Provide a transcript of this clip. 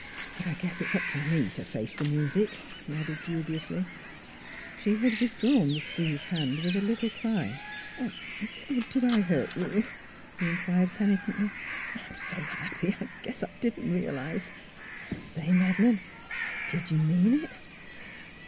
" But I guess it's up to me to face the music," he added dubiously. ... She had withdraw the squeezed hand with a little cry. " Did I hurt you ?" he inquired penitently. " I'm so happy I guess I didn't realize say, Madeleine; did you mean it?